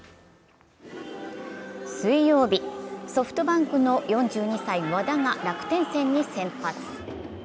水曜日、ソフトバンクの４２歳・和田が楽天戦に先発。